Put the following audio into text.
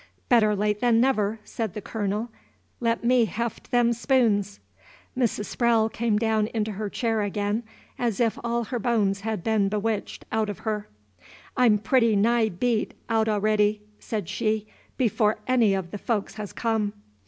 "Better late than never!" said the Colonel, "let me heft them spoons." Mrs. Sprowle came down into her chair again as if all her bones had been bewitched out of her. "I'm pretty nigh beat out a'ready," said she, "before any of the folks has come."